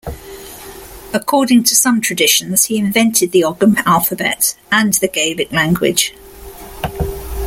According to some traditions, he invented the Ogham alphabet and the Gaelic language.